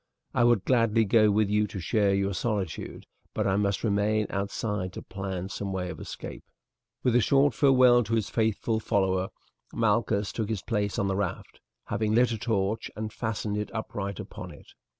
I would gladly go with you to share your solitude, but I must remain outside to plan some way of escape." With a short farewell to his faithful follower Malchus took his place on the raft, having lit a torch and fastened it upright upon it.